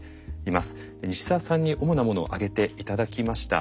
西澤さんに主なものを挙げて頂きました。